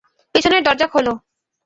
পেছনের দরজা খোলো।